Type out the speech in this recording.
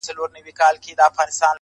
هغه نن بيا د واويلا خاوند دی.